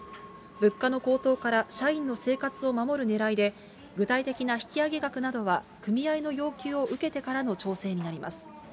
物価の高騰から社員の生活を守るねらいで、具体的な引き上げ額などは、組合の要求を受けてからの調整になります。